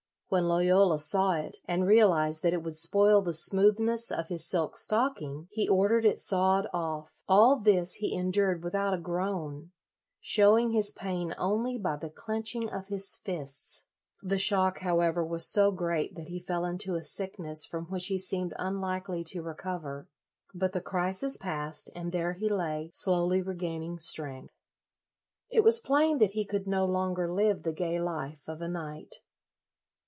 When Loyola saw it, and realized that it would spoil the smoothness of his silk LOYOLA 55 stocking, he ordered it sawed off. All this he endured without a groan, showing his pain only by the clenching of his fists. The shock, however, was so great that he fell into a sickness from which he seemed unlikely to recover. But the crisis passed, and there he lay, slowly regaining strength. It was plain that he could no longer live the gay life of a knight.